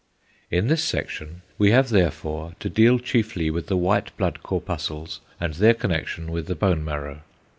In this section we have therefore to deal chiefly with the white blood corpuscles and their connection with the bone marrow.